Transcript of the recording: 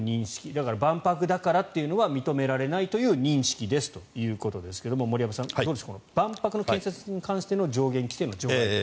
だから、万博だからというのは認められないという認識ということですが森山さん、どうでしょう万博の建設に関しての上限規制の撤廃。